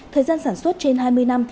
thời gian sản xuất trên hai mươi năm